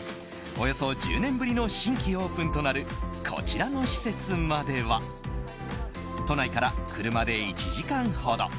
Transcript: およそ１０年ぶりの新規オープンとなるこちらの施設までは都内から車で１時間ほど。